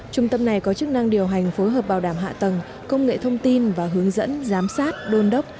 trung tâm này có chức năng điều hành phối hợp bảo đảm hạ tầng công nghệ thông tin và hướng dẫn giám sát đôn đốc